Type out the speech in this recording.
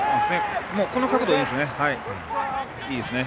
この角度でいいですね。